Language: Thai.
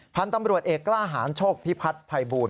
พันธุ์ตำรวจเอกกล้าหารโชคพิพัฒน์ภัยบูล